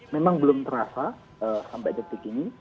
memang belum terasa sampai detik ini